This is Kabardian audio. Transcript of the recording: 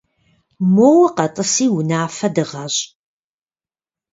Моуэ къэтӏыси унафэ дыгъэщӏ.